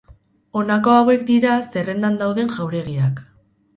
Honako hauek dira zerrendan dauden jauregiak.